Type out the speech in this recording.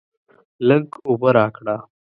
لږ اوبه راکړه!